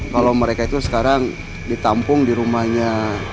kalau mereka itu sekarang ditampung di rumahnya